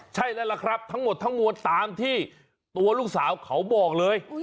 ใช่แล้วล่ะครับทั้งหมดทั้งมวลตามที่ตัวลูกสาวเขาบอกเลย